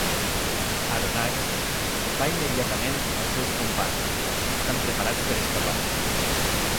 Aronnax va immediatament als seus companys, estan preparats per escapar.